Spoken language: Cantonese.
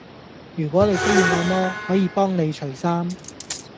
如果你需要按摩，可以幫你除衫